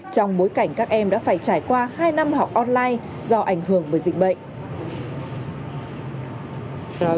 trong bối cảnh các em đã phải trải qua hai năm học online do ảnh hưởng bởi dịch bệnh